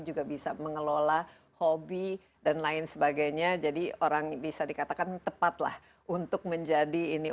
juga bisa mengelola hobi dan lain sebagainya jadi orang bisa dikatakan tepatlah untuk menjadi ini